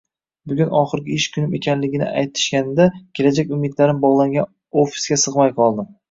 Bugun oxirgi ish kunim ekanligini aytishganida kelajak umidlarim bog`langan ofisga sig`may qoldim